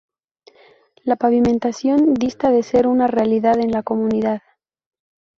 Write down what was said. La pavimentación dista de ser una realidad en la comunidad.